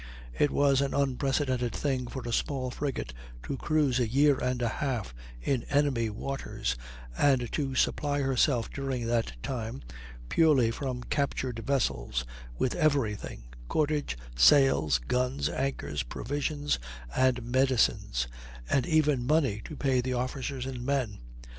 It was an unprecedented thing for a small frigate to cruise a year and a half in enemy's waters, and to supply herself during that time, purely from captured vessels, with every thing cordage, sails, guns, anchors, provisions, and medicines, and even money to pay the officers and men!